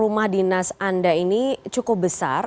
rumah dinas anda ini cukup besar